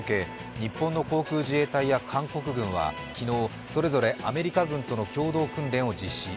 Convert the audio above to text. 日本の航空自衛隊や韓国軍はそれぞれアメリカ軍との共同訓練を実施。